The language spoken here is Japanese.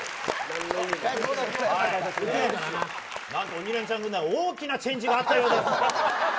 「鬼レンチャン」軍団で大きなチェンジがあったようです。